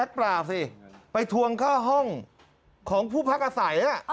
เอาสิไปทวงเข้าห้องของผู้พักอาศัยน่ะ